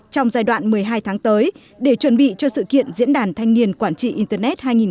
trong giai đoạn một mươi hai tháng tới để chuẩn bị cho sự kiện diễn đàn thanh niên quản trị internet hai nghìn hai mươi